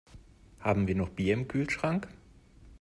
Haben wir noch Bier im Kühlschrank?